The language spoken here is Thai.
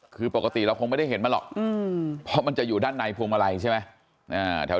คือปกติเราคงไม่ได้เห็นมันหรอกเพราะมันจะอยู่ด้านในพวงมาลัยใช่ไหม